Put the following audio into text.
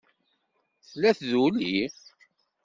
Tella tduli?